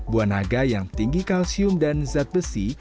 buah naga yang tinggi kalsium dan zat besi